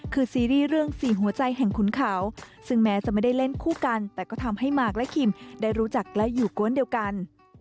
คือซีรีส์เรื่องสี่หัวใจแห่งขุนเขาซึ่งแม้จะไม่ได้เล่นคู่กันแต่ก็ทำให้หมากและคิมได้รู้จักและอยู่กวนเดียวกัน